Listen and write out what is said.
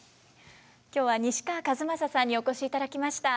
今日は西川千雅さんにお越しいただきました。